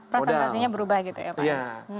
presentasinya berubah gitu ya pak